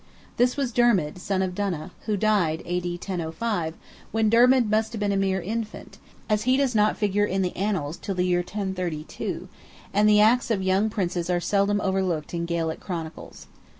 This was Dermid, son of Donogh, who died (A.D. 1005), when Dermid must have been a mere infant, as he does not figure in the annals till the year 1032, and the acts of young Princes are seldom overlooked in Gaelic Chronicles.